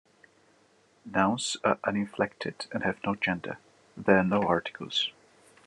Nouns are uninflected and have no gender; there are no articles.